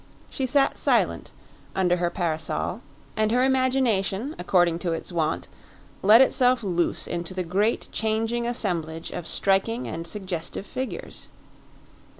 She sat silent, under her parasol, and her imagination, according to its wont, let itself loose into the great changing assemblage of striking and suggestive figures.